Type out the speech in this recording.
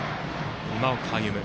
今岡歩夢。